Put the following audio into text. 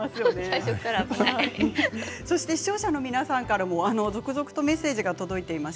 視聴者の皆さんから続々とメッセージが届いています。